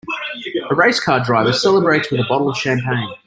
A race car driver celebrates with a bottle of champagne.